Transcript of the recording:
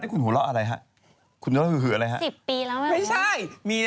ขุนหัวเหลืออะไรฮะ๑๐ปีแล้วนะ